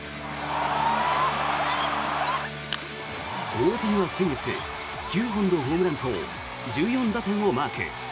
大谷は先月９本のホームランと１４打点をマーク。